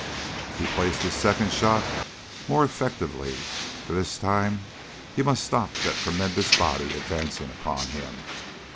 He placed his second shot more effectively, for this time he must stop that tremendous body, advancing upon him.